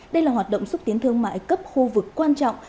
đây là hoạt động xúc tiến thương mại cấp khu vực quan trọng